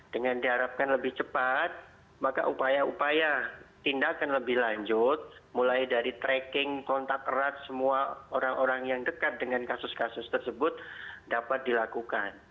dengan diharapkan lebih cepat maka upaya upaya tindakan lebih lanjut mulai dari tracking kontak erat semua orang orang yang dekat dengan kasus kasus tersebut dapat dilakukan